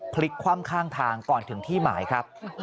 พลิกคว่ำข้างทางก่อนถึงที่หมายครับ